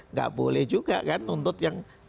nggak boleh juga kan nuntut yang